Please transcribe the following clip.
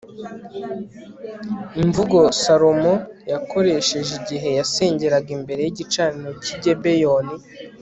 imvugo salomo yakoresheje igihe yasengeraga imbere y'igicaniro cy'i gebeyoni